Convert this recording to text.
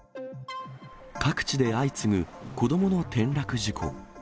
各地で相次ぐ子どもの転落事故。